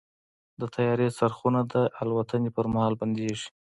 د طیارې څرخونه د الوتنې پر مهال بندېږي.